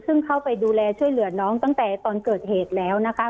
ซึ่งเข้าไปดูแลช่วยเหลือน้องตั้งแต่ตอนเกิดเหตุแล้วนะคะ